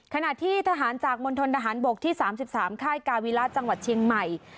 ขณะที่ทหารจากมณฑนทหารบกที่๓๓ค่ายกาวิระจังหวัดเชียงใหม่